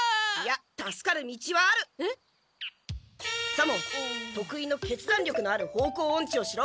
左門得意の決断力のある方向オンチをしろ！